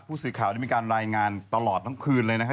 ผู้สื่อข่าวได้มีการรายงานตลอดทั้งคืนเลยนะฮะ